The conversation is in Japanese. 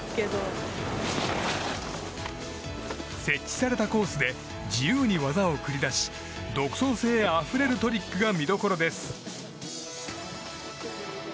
設置されたコースで自由に技を繰り出し独創性あふれるトリックが見どころです。